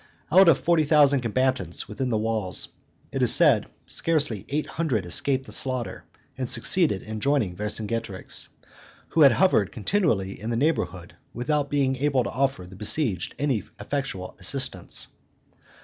Out of forty thousand combatants within the walls, it is said, scarcely eight hundred escaped the slaughter and succeeded in joining Vercingetorix, who had hovered continually in the neighborhood without being able to offer the besieged any effectual assistance.